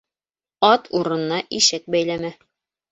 Ат урынына ишәк бәйләмә.